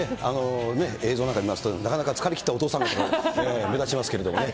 映像なんか見ますと、なかなか疲れ切ったお父さん方が目立ちますけれどもね。